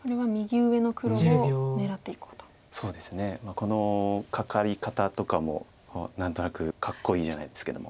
このカカリ方とかも何となくかっこいいじゃないですけども。